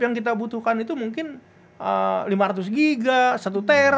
yang kita butuhkan itu mungkin lima ratus giga satu ter